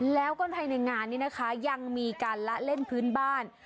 แล้วก็ในงานนี้นะคะยังมีการละเล่นพื้นบ้าน